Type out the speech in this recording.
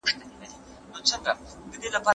هغه د جګړې پر ځای د سولې له لارې د شخړو حل غوره کاوه.